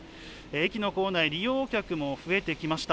駅の構内、利用客も増えてきました。